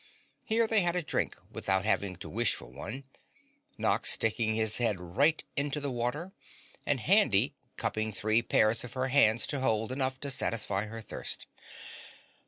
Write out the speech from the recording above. Here they had a drink without having to wish for one, Nox sticking his head right into the water and Handy cupping three pairs of her hands to hold enough to satisfy her thirst.